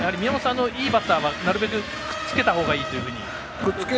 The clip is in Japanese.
いいバッターは、なるべくくっつけたほうがいいという？